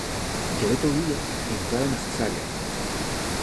Y al otro día entraron en Cesarea.